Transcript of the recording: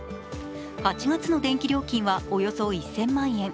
８月の電気料金はおよそ１０００万円。